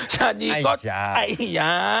ชานีก็ไอยา